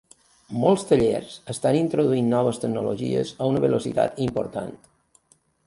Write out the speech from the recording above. Molts tallers estan introduint noves tecnologies a una velocitat important.